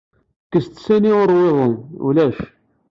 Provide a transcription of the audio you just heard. Kkes-d sani ur uwiḍen, ulac.